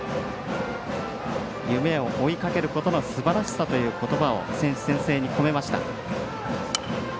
「夢を追いかけることのすばらしさ」ということばを選手宣誓に込めました。